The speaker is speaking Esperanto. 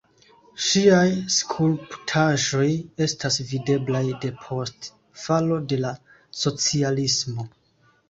Ŝiaj skulptaĵoj estas videblaj depost falo de la socialismo.